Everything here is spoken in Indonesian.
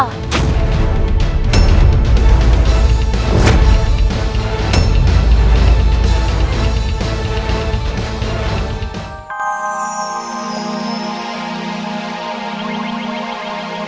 perlu untuk selamatkan kacang